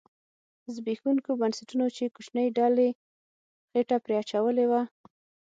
زبېښوونکو بنسټونو چې کوچنۍ ډلې خېټه پرې اچولې وه